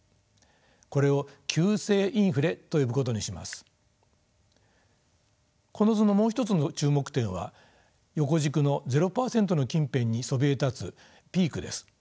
この図のもう一つの注目点は横軸のゼロ％の近辺にそびえ立つピークです。